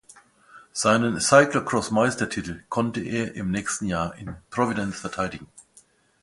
Seinen Cyclocross-Meistertitel konnte er im nächsten Jahr in Providence verteidigen.